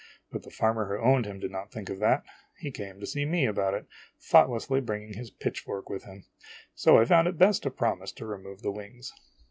But the farmer who owned him did not think of that. He came to see me about it, thoughtlessly bringing his pitchfork with him ; so I found it best to promise to remove the wings.